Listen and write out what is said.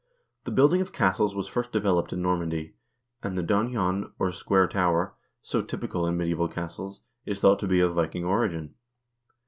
The building of castles was first developed in Normandy, and the donjon or square tower, so typical in medieval castles, is thought to be of Viking origin.